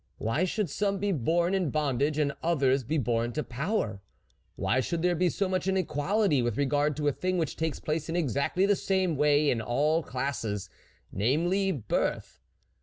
Why should some be born in bondage and others be born to power ? Why should there be so much in equality with regard to a thing which takes place in exactly the same way in all classes namely birth